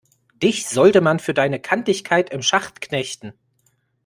Dich sollte man für deine Kantigkeit im Schacht knechten!